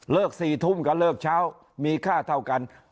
๔ทุ่มก็เลิกเช้ามีค่าเท่ากัน